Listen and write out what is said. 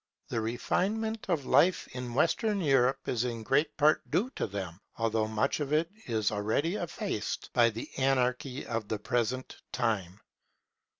The refinement of life in Western Europe is in great part due to them, although much of it is already effaced by the anarchy of the present time.